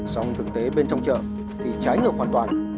xong thực tế bên trong chợ thì trái ngược hoàn toàn